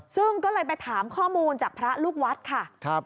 ซึ่งก็เลยไปถามข้อมูลจากพระลูกวัดค่ะ